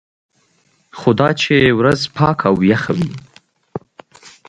خو دا چې ورځ پاکه او یخه وي.